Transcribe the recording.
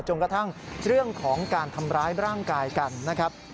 กระทั่งเรื่องของการทำร้ายร่างกายกันนะครับ